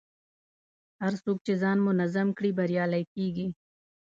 هر څوک چې ځان منظم کړي، بریالی کېږي.